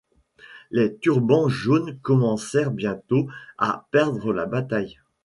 Les turbans jaunes commencèrent bientôt à perdre la bataille.